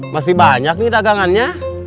masih banyak nih dagangannya